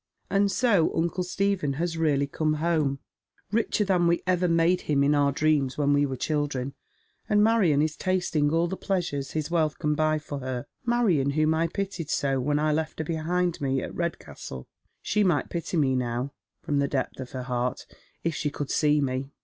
And so uncle Stephen has really come home — richer than we 10 Dead MerCs Shoes. ever made him in our dreams when we were chil(?reti — Kn^ Manon is tasting all the pleasures his wealth can buy for her, Marion whom I pitied bo when I left her behind me at Redcastle. She might pity me now, from the depth of her heart, if she could see me.